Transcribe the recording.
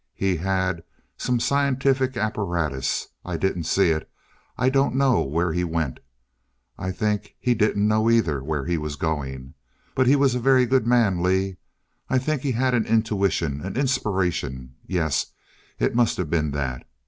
He had some scientific apparatus. I didn't see it I don't know where he went. I think he didn't know either, where he was going. But he was a very good man, Lee. I think he had an intuition an inspiration. Yes, it must have been that.